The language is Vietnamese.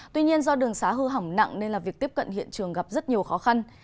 tuy nhiên do đường xá hư hỏng nặng nên việc tiếp cận hiện trường gặp rất nhiều khó khăn